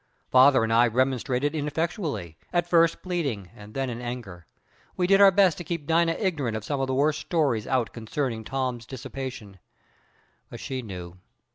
Father and I remonstrated ineffectually, at first pleadingly and then in anger. We did our best to keep Dina ignorant of some of the worst stories out concerning Tom's dissipation, but she knew.